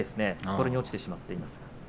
これに落ちてしまっています。